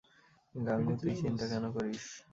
গাঙু, তুই চিন্তা কেনো করিস?